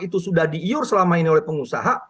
itu sudah di iur selama ini oleh pengusaha